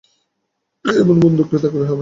কে এমন বন্দুক পেতে আগ্রহী হবে না।